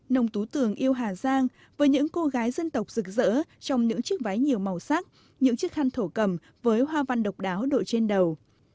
nông tú tường yêu hà giang với những cô gái dân tộc rực rỡ trong những chiếc váy nhiều màu sắc những chiếc khăn thổ cầm với hoa văn độc đáo đội trên đầu